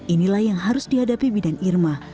inilah yang harus dihadapi bidan irma